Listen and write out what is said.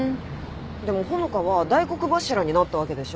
でも穂香は大黒柱になったわけでしょ？